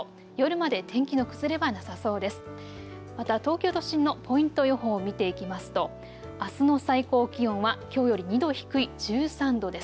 また東京都心のポイント予報見ていきますとあすの最高気温はきょうより２度低い、１３度です。